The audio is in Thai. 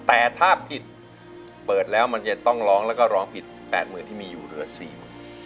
แต่ถ้าผิดเปิดแล้วมันจะต้องร้องแล้วก็ร้องผิด๘๐๐๐ที่มีอยู่เหลือ๔๐๐๐บาท